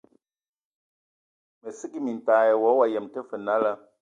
Mə sə kig mintag ai wa, wa yəm tə fə nala.